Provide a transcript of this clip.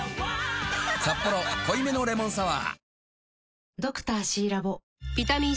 「サッポロ濃いめのレモンサワー」